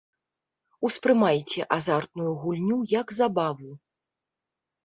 Успрымайце азартную гульню як забаву.